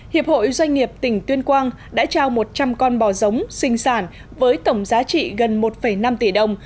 hiệp hội doanh nghiệp tỉnh tuyên quang đã trao một trăm linh con bò giống sinh sản với tổng giá trị gần một năm tỷ đồng